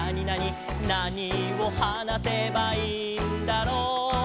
「なにをはなせばいいんだろう？」